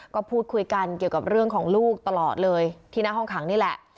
ก็พูดคุยกันเกี่ยวกับเรื่องของลูกตลอดเลยที่หน้าห้องขังนี่แหละ